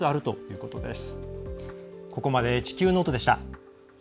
ここまで「地球ノート」でした。